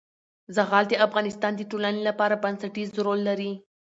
زغال د افغانستان د ټولنې لپاره بنسټيز رول لري.